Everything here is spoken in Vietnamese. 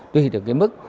tùy được cái mức